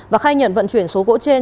và khai nhận vận chuyển số gỗ trên